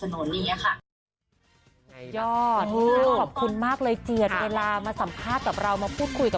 ในช่วงที่วาดเจอวิกฤตโควิด